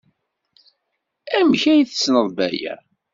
Amek ay tessneḍ Baya?